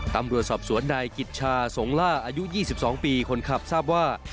ตำรวจสอบสวนนายกิจชาสงล่าอายุ๒๒ปีคนขับทราบว่า